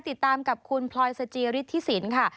ติดตามกับคุณพลอยสจิฤทธิสินค่ะ